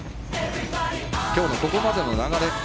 今日のここまでの流れ